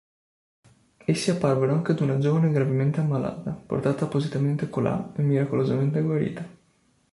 Essi apparvero anche ad una giovane gravemente ammalata, portata appositamente colà, e miracolosamente guarita.